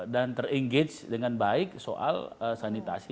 dan ter engage dengan baik soal sanitasi